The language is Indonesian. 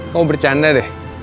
kamu bercanda deh